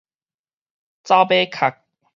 走馬殼